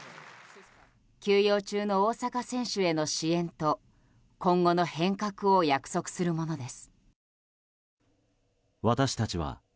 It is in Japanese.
休養中の大坂選手への支援と今後の変革を約束するものです。